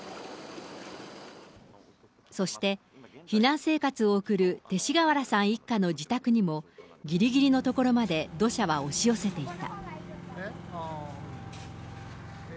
そして、避難生活を送る鉄地川原さん一家の自宅にも、ぎりぎりの所まで土砂は押し寄せていた。